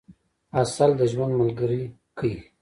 عسل د ژوند ملګری کئ.